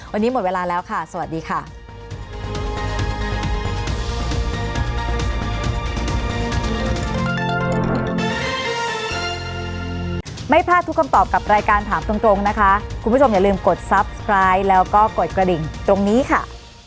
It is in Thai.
วันนี้หมดเวลาแล้วค่ะสวัสดีค่ะ